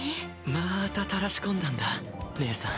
またたらし込んだんだ義姉さん。